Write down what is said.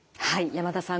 山田さん